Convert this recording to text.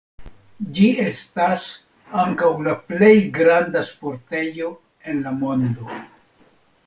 Ĝi estas ankaŭ la plej granda sportejo en la mondo.